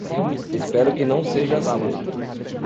Espero que não seja assim.